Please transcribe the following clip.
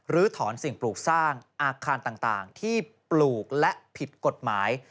ถอนสิ่งปลูกสร้างอาคารต่างที่ปลูกและผิดกฎหมาย